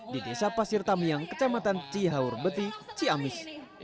di desa pasir tamiang kecamatan cihaurbeti ciamis